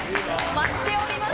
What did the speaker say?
舞っております。